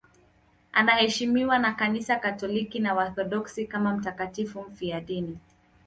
Anaheshimiwa na Kanisa Katoliki na Waorthodoksi kama mtakatifu mfiadini.